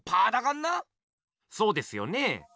そうですよね。